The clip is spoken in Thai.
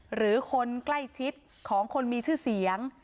หรือคนใกล้ชิดของคนมีชื่อเสียง